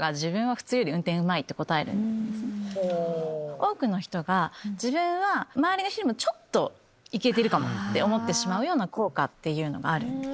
多くの人が自分は周りの人よりもちょっとイケてるかもって思ってしまう効果があるんです。